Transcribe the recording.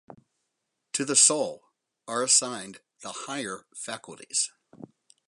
To the soul are assigned the higher faculties.